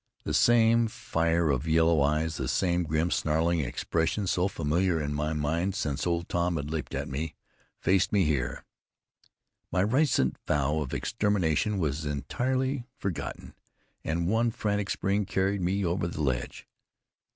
The same fire of yellow eyes, the same grim snarling expression so familiar in my mind since Old Tom had leaped at me, faced me here. My recent vow of extermination was entirely forgotten and one frantic spring carried me over the ledge.